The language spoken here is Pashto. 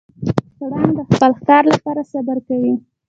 پړانګ د خپل ښکار لپاره صبر کوي.